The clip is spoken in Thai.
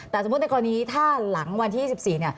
แต่สมมุติในกรณีถ้าหลังวันที่๒๔เนี่ย